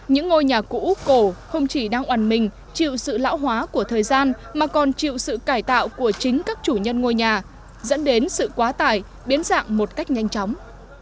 những ngôi nhà cũ cổ không chỉ đang oàn mình chịu sự lão hóa của thời gian mà còn chịu sự cải tạo của chính các chủ nhân ngôi nhà dẫn đến sự quá tải biến dạng một cách nhanh chóng